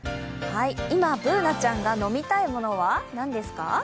今、Ｂｏｏｎａちゃんが飲みたいものはなんですか？